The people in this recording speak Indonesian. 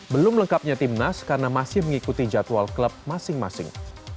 belum lengkapnya timnas karena masih mengikuti jadwal klub masing masing